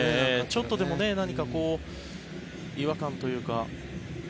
ちょっとでも何かこう、違和感というか。